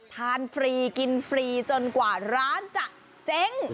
ฟรีกินฟรีจนกว่าร้านจะเจ๊ง